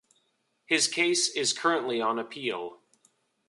His case is currently on appeal.